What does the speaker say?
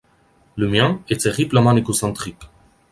Le mien est terriblement égocentrique.